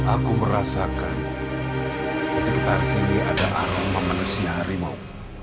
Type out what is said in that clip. aku merasakan di sekitar sini ada aroma manusia harimau